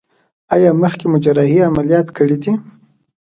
ایا مخکې مو جراحي عملیات کړی دی؟